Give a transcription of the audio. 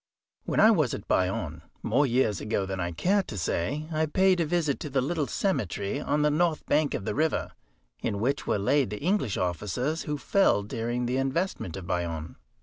When I was at Bayonne, more years ago than I care to say, I paid a visit to the little cemetery on the north bank of the river, in which were laid the English officers who fell during the investment of Bayonne.